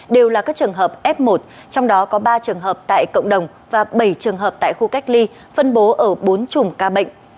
đều là các trường hợp f một trong đó có ba trường hợp tại cộng đồng và bảy trường hợp tại khu cách ly phân bố ở bốn chùm ca bệnh